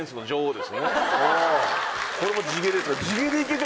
これも地毛ですね。